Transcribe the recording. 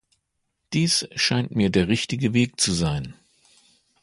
Dies scheint mir der richtige Weg zu sein.